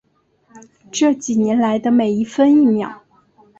这几年来的每一分一秒